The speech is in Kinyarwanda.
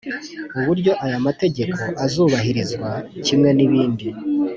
Uburyo aya mategeko azubahirizwa kimwe n’ibindi